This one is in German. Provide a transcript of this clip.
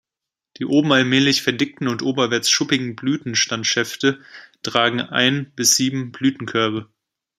Die oben allmählich verdickten und oberwärts schuppigen Blütenstandsschäfte tragen ein bis sieben Blütenkörbe.